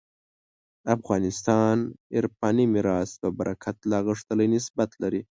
افغانستان عرفاني میراث په برکت لا غښتلی نسبت لري.